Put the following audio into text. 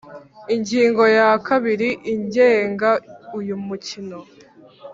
Ingingo ya kabiri igenga uyu mukino